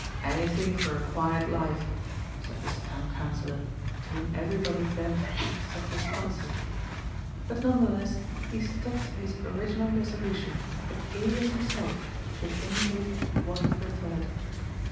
*^ Any thing for a quite life," said this Town Councilor, to whom everybody bent except his consort, but none the less, he stuck to his original resolution that Elias himself should indicate what he preferred.